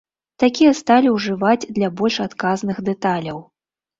Такія сталі ўжываюць для больш адказных дэталяў.